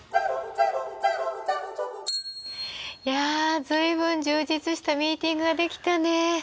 いや随分充実したミーティングができたね。